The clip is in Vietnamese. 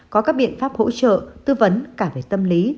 có các biện pháp hỗ trợ tư vấn cả về tâm lý